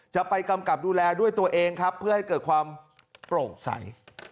กำกับดูแลด้วยตัวเองครับเพื่อให้เกิดความโปร่งใส